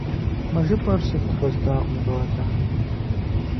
— Мы жыпӀэр сыт? — хуэздакъым щӀалэм.